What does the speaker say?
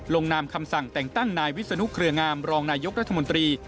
ลงนามคำสั่งแต่งตั้งนายวิศนุเครืองามรองนายกรัฐมนตรี